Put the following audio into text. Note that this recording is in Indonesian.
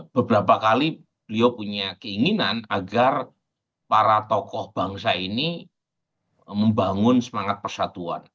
beberapa kali beliau punya keinginan agar para tokoh bangsa ini membangun semangat persatuan